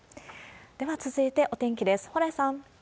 では続いて、お天気です。